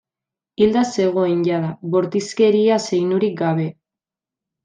Hilda zegoen jada, bortizkeria-zeinurik gabe.